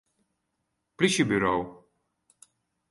Plysjeburo.